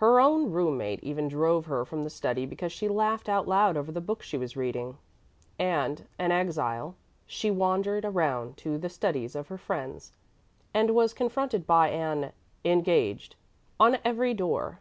Her own room mate even drove her from the study because she laughed out loud over the book she was reading; and, an exile, she wandered around to the studies of her friends, and was confronted by an "engaged" on every door.